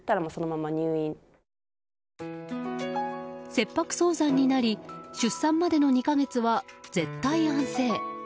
切迫早産になり出産までの２か月は絶対安静。